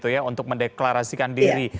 untuk mendeklarasikan diri